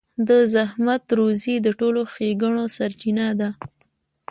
د زحمت روزي د ټولو ښېګڼو سرچينه ده.